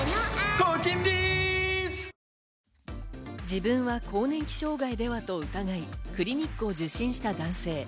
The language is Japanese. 自分は更年期障害では？と疑い、クリニックを受診した男性。